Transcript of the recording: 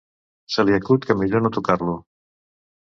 Se li acut que millor no tocar-lo.